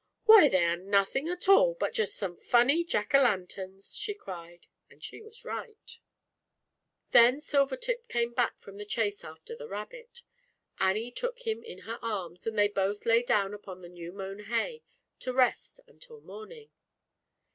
"Why, they are nothing at all, but just some funny Jack O' Lanterns," she cried, and she" was right. 1Q2 ZAUBERLINDA, THE WISE WITCH. Then Silvertip came back from the chase after the Rabbit. Annie took him in her arms, and they both lay down upon the new mown hay, to rest until morning.